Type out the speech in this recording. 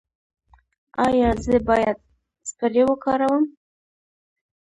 ایا زه باید سپری وکاروم؟